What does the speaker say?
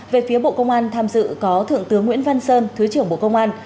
về phía bộ công an tham dự có thượng tướng nguyễn văn sơn thứ trưởng bộ công an